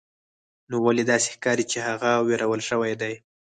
نو ولې داسې ښکاري چې هغه ویرول شوی دی